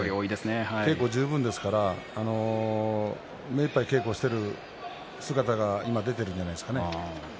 稽古十分ですから目いっぱい稽古をしている姿が今、出ているんじゃないですかね。